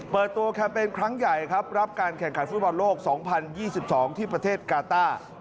เปิดตัวแคมเปญครั้งใหญ่ครับรับการแข่งขันฟุตบอลโลก๒๐๒๒ที่ประเทศกาต้า